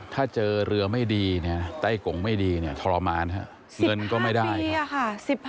ถ้าเจอเรือไม่ดีไต้กงไม่ดีทรมานเงินก็ไม่ได้